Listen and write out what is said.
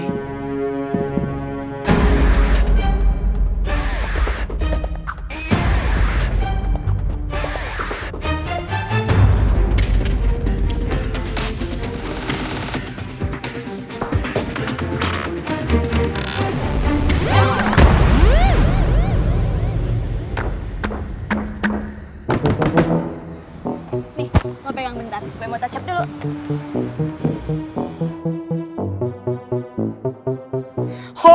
nih mau pegang bentar gue mau touch up dulu